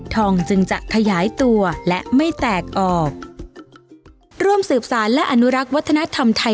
จึงจะขยายตัวและไม่แตกออกร่วมสืบสารและอนุรักษ์วัฒนธรรมไทย